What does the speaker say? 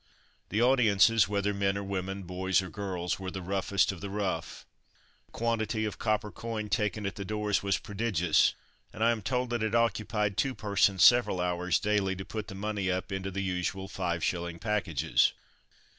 The audiences, whether men or women, boys or girls, were the roughest of the rough. The quantity of copper coin taken at the doors was prodigious; and I am told that it occupied two persons several hours, daily, to put the money up into the usual five shilling packages.